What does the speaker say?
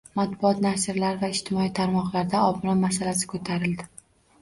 Matbuot nashrlari va ijtimoiy tarmoqlarda obuna masalasi ko'tarildi.